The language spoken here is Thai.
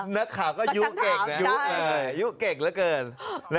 นักข่าวก็ยุเก่งนะยุเก่งเหลือเกิน